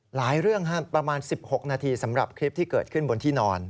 เรื่องประมาณ๑๖นาทีสำหรับคลิปที่เกิดขึ้นบนที่นอน